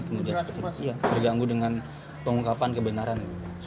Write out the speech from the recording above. terganggu dengan pengungkapan kebenaran